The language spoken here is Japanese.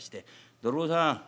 「泥棒さん。